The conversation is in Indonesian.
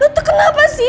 lo tuh kenapa sih